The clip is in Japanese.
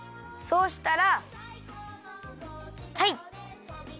そうしたらたい。